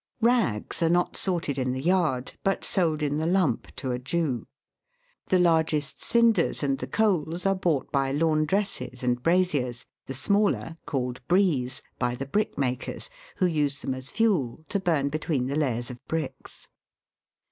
Rags are not sorted in the yard, but sold in the lump to a Jew. The largest cinders and the coals are bought by laundresses and braziers, the smaller called " breeze " by the brickmakers, who use them as fuel, to burn between the layers of bricks.